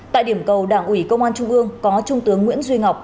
tại điểm cầu đảng ủy công an trung ương có trung tướng nguyễn duy ngọc